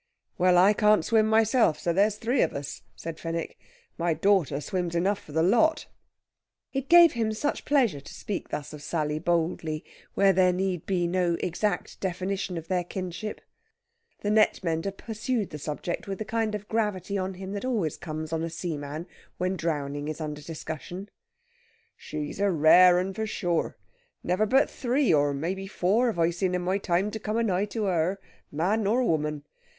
"Well! I can't swim myself, so there's three of us!" said Fenwick. "My daughter swims enough for the lot." It gave him such pleasure to speak thus of Sally boldly, where there need be no exact definition of their kinship. The net mender pursued the subject with the kind of gravity on him that always comes on a seaman when drowning is under discussion. "She's a rare one, for sure. Never but three, or may be fower, have I seen in my time to come anigh to her man nor woman.